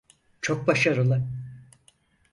Çok başarılı.